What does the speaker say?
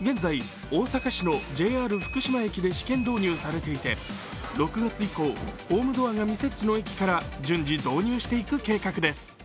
現在、大阪市のＪＲ福島駅で試験導入されていて６月以降、ホームドアが未設置の駅から順次導入していく計画です。